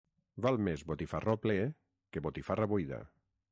Val més botifarró ple que botifarra buida.